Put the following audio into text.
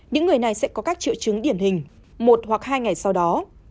những người này sẽ có các triệu chứng điển hình một hoặc hai ngày sau đó